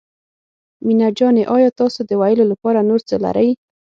مينه جانې آيا تاسو د ويلو لپاره نور څه لرئ.